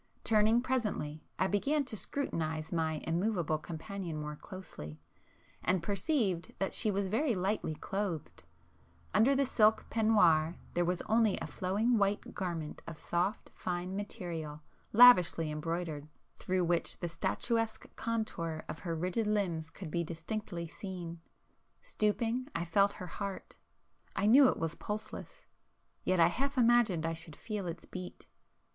Turning presently, I began to scrutinize my immovable companion more closely—and perceived that she was very lightly clothed,—under the silk peignoir there was only a flowing white garment of soft fine material lavishly embroidered, through which the statuesque contour of her rigid limbs could be distinctly seen. Stooping, I felt her heart,—I knew it was pulseless; yet I half imagined I should feel its beat.